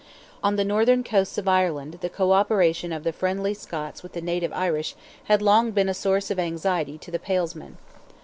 On the northern coasts of Ireland the co operation of the friendly Scots with the native Irish had long been a source of anxiety to the Palesmen.